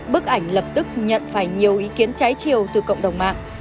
bức ảnh lập tức nhận phải nhiều ý kiến trái chiều từ cộng đồng mạng